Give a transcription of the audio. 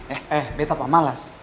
eh eh beta apa malas